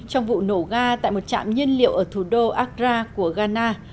trong vụ nổ ga tại một trạm nhiên liệu ở thủ đô akra của ghana